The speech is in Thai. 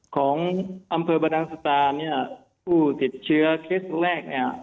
ของอำเภอบรรดังสตาร์เนี่ยผู้ติดเชื้อเคสแรกเนี่ย